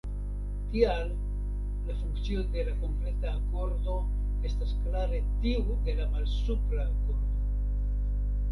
Tial la funkcio de la kompleta akordo estas klare tiu de la malsupra akordo.